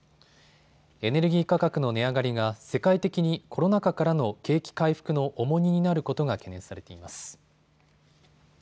エネルギー価格の値上がりが世界的にコロナ禍からの景気回復の重荷になることが懸念されています。